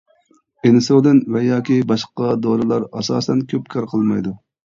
ئىنسۇلىن ۋە ياكى باشقا دورىلار ئاساسەن كۆپ كار قىلمايدۇ.